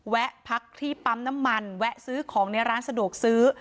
แวะพักที่ปั๊มน้ำมันแวะซื้อของในร้านสะดวกซื้อ